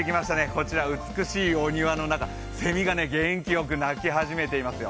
こちら、美しいお庭の中、せみが元気よく鳴き始めていますよ。